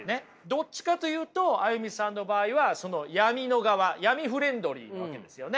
どっちかというとＡＹＵＭＩさんの場合は闇の側闇フレンドリーなわけですよね。